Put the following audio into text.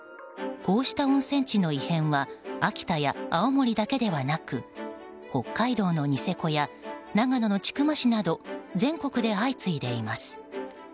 こうした温泉地の異変は秋田や青森だけではなく北海道のニセコや長野の千曲市など全国で相次いでいます。